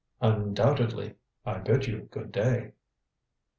"Undoubtedly. I bid you good day."